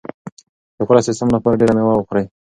د غوره سیستم لپاره ډېره مېوه وخورئ.